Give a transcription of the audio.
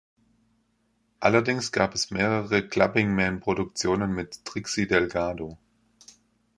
Allerdings gab es mehrere Klubbingman-Produktionen mit Trixi Delgado.